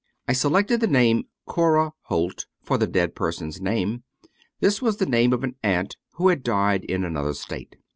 I selected the name " Cora Holt " for the dead person's name. This was the name of an aunt who had died in another State.